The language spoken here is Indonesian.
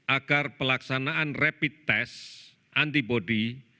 agar pelaksanaan rapid test antibody